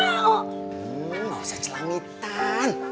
nggak usah celamitan